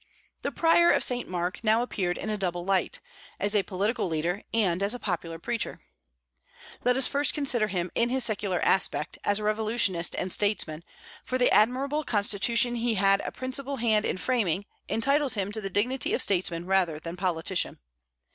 The Prior of St. Mark now appeared in a double light, as a political leader and as a popular preacher. Let us first consider him in his secular aspect, as a revolutionist and statesman, for the admirable constitution he had a principal hand in framing entitles him to the dignity of statesman rather than politician.